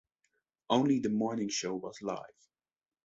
Only the morning show was live.